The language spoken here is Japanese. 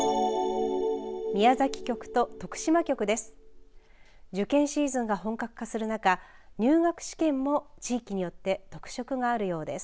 宮崎局と徳島局です。